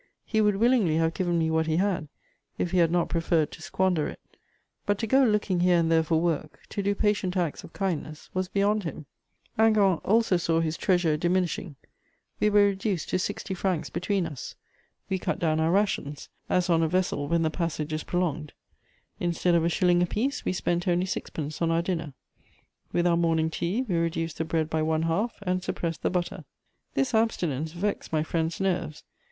He would willingly have given me what he had, if he had not preferred to squander it; but to go looking here and there for work, to do patient acts of kindness, was beyond him. Hingant also saw his treasure diminishing; we were reduced to sixty francs between us. We cut down our rations, as on a vessel when the passage is prolonged. Instead of a shilling apiece, we spent only sixpence on our dinner. With our morning tea we reduced the bread by one half, and suppressed the butter. This abstinence vexed my friend's nerves.